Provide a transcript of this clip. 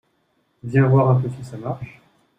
Viens voir un peu si ça marche.